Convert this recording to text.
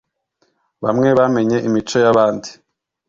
bamwe bamenye imico y’abandi